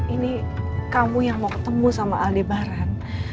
ini kamu yang mau ketemu sama aldebaran